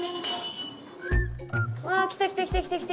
わあ来た来た来た来た。